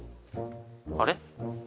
あれ？